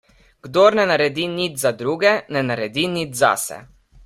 Kdor ne naredi nič za druge, ne naredi nič zase.